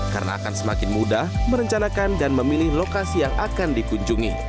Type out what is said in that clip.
karena akan semakin mudah merencanakan dan memilih lokasi yang akan dikunjungi